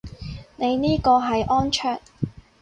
你呢個係安卓